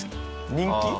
人気？